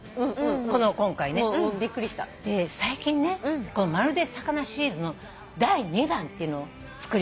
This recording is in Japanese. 最近ねまるで魚シリーズの第２弾ってのを作りまして。